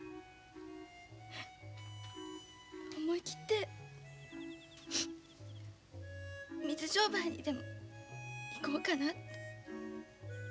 思い切って水商売にでも行こうかなあって。